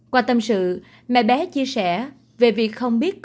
qua tâm sự mẹ bé chia sẻ